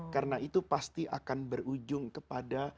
karena itu pasti akan berujung kepada